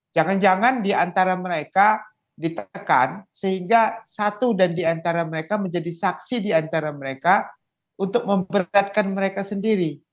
jangan jangan diantara mereka ditekan sehingga satu dan diantara mereka menjadi saksi diantara mereka untuk memberatkan mereka sendiri